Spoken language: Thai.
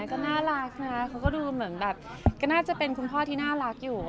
ก็น่ารักนะเขาก็ดูเหมือนแบบก็น่าจะเป็นคุณพ่อที่น่ารักอยู่